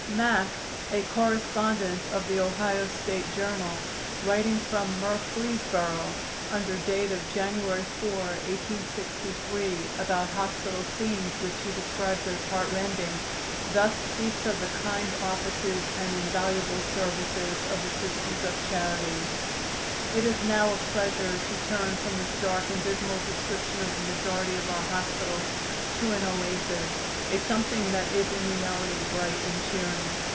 "Mack," a correspondent of the Ohio State Journal, writing from Murfreesboro, under date of January 4, 1863, about hospital scenes, which he describes as heartrending, thus speaks of the kind offices and invaluable services of the Sisters of Charity: "It is now a pleasure to turn from this dark and dismal description of the majority of our hospitals to an oasis a something that is in reality bright and cheering.